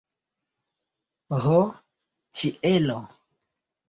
Ho, ĉielo!